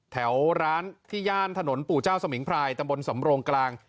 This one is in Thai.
แถวร้านที่ย่านถนนปู่เจ้าสมิงพรายตำบลสำโรงกลาง